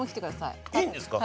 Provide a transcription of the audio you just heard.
いいんですか？